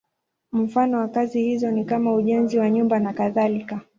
Mfano wa kazi hizo ni kama ujenzi wa nyumba nakadhalika.